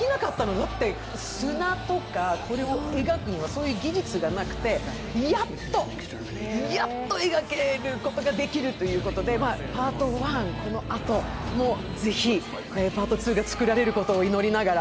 だって、砂とか、これを描くには技術がなくて、やっと、やっと描くことができるということで、パート１、このあとぜひパート２が作られることを祈りながら。